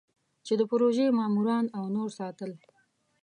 چې د پروژې ماموران او نور ساتل.